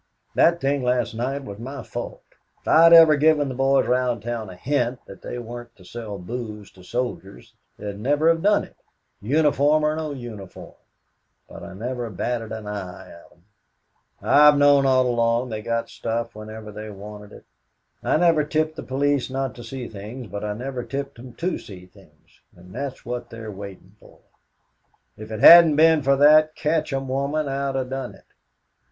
That thing last night was my fault. If I'd ever given the boys round town a hint that they weren't to sell booze to soldiers, they'd never done it, uniform or no uniform; but I never batted an eye at 'em. I've known all along they got stuff whenever they wanted it. I never tipped the police not to see things, but I never tipped 'em to see 'em, and that's what they was waitin' for. If it hadn't been for that Katcham woman, I'd 'a' done it.